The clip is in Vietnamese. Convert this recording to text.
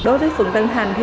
đối với phường tân hành